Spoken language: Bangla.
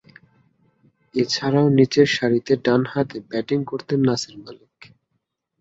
এছাড়াও, নিচেরসারিতে ডানহাতে ব্যাটিং করতেন নাসির মালিক।